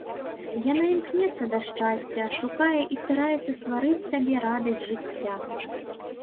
Яна імкнецца да шчасця, шукае і стараецца стварыць сабе радасць жыцця.